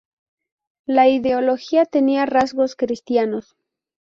La ideología tenía rasgos cristianos.